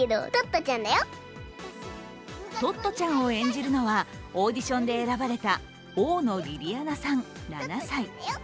トットちゃんを演じるのはオーディションで選ばれた大野りりあなさん７歳。